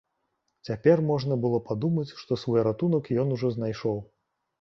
Цяпер можна было падумаць, што свой ратунак ён ужо знайшоў.